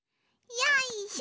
よいしょ。